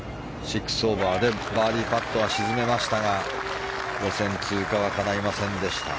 ６オーバーでバーディーパットは沈めましたが予選通過はかないませんでした。